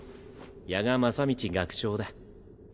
夜蛾正道学長だ。